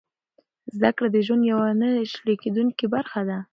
زده کړه د ژوند یوه نه شلېدونکې برخه ده.